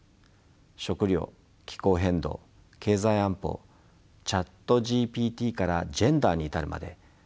食糧気候変動経済安保ＣｈａｔＧＰＴからジェンダーに至るまで大変幅広い。